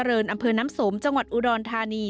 ก็จะเตริญอำเภอน้ำสมจังหวัดอุดรธานี